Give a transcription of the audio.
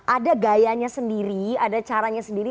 ada gayanya sendiri ada caranya sendiri